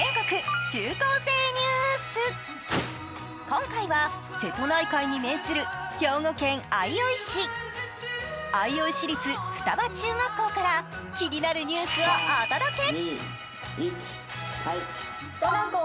今回は瀬戸内海に面する兵庫県相生市、相生市立双葉中学校から気になるニュースをお届け。